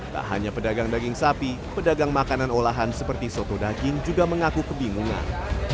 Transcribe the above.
tak hanya pedagang daging sapi pedagang makanan olahan seperti soto daging juga mengaku kebingungan